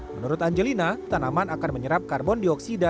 menurut angelina tanaman akan menyerap karbon dioksida